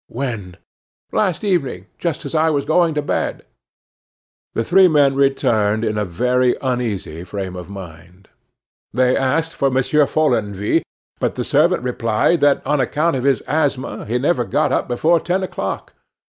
"When?" "Last evening, just as I was going to bed." The three men returned in a very uneasy frame of mind. They asked for Monsieur Follenvie, but the servant replied that on account of his asthma he never got up before ten o'clock.